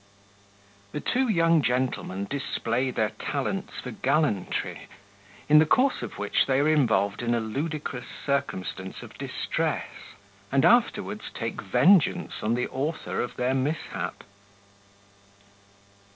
The two young Gentlemen display their talents for Gallantry, in the course of which they are involved in a ludicrous circumstance of Distress, and afterwards take Vengeance on the Author of their Mishap.